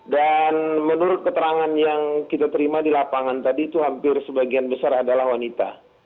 dan menurut keterangan yang kita terima di lapangan tadi itu hampir sebagian besar adalah wanita